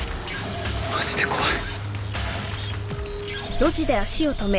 マジで怖い。